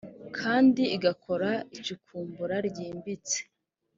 kandi igakora icukumbura ryimbitse